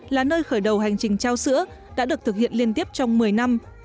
là nơi khởi đầu hành trình trao sữa đã được thực hiện liên tiếp trong một mươi năm